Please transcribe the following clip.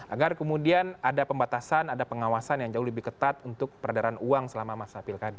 agar kemudian ada pembatasan ada pengawasan yang jauh lebih ketat untuk peredaran uang selama masa pilkada